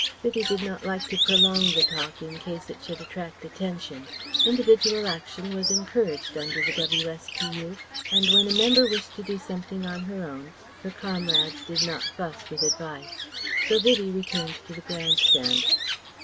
Vivie did not like to prolong the talk in case it should attract attention. Individual action was encouraged under the W.S.P.U., and when a member wished to do something on her own, her comrades did not fuss with advice. So Vivie returned to the Grand Stand.